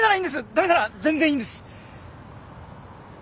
駄目なら全然いいんです。